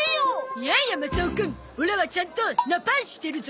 いやいやマサオくんオラはちゃんと「ナパン」してるゾ。